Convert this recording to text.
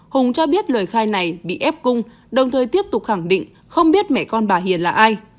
hùng cho biết lời khai này bị ép cung đồng thời tiếp tục khẳng định không biết mẹ con bà hiền là ai